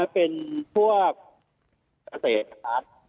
เป็นพวกเกษตรนะครับ